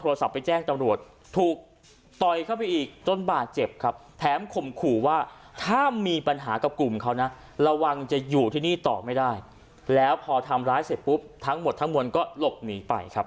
โทรศัพท์ไปแจ้งตำรวจถูกต่อยเข้าไปอีกจนบาดเจ็บครับแถมข่มขู่ว่าถ้ามีปัญหากับกลุ่มเขานะระวังจะอยู่ที่นี่ต่อไม่ได้แล้วพอทำร้ายเสร็จปุ๊บทั้งหมดทั้งมวลก็หลบหนีไปครับ